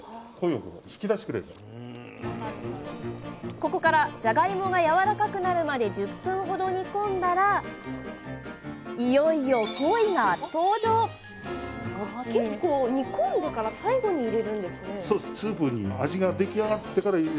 ここからじゃがいもがやわらかくなるまで１０分ほど煮込んだらいよいよ５分ほど煮たらブイヤベースの完成。